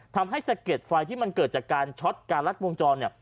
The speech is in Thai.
สะเก็ดไฟที่มันเกิดจากการช็อตการรัดวงจรเนี่ย